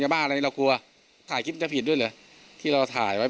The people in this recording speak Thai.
บ้านอะไรเรากลัวถ่ายคลิปมันจะผิดด้วยเหรอที่เราถ่ายไว้